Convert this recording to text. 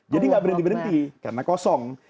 jadi tidak berhenti berhenti karena kosong